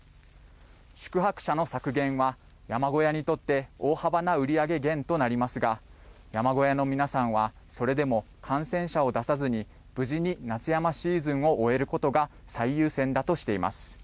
宿泊者の削減は山小屋にとって大幅な売り上げ減となりますが山小屋の皆さんは、それでも感染者を出さずに無事に夏山シーズンを終えることが最優先だとしています。